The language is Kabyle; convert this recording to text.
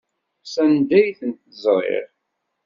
S anda i ten-ẓṛiɣ.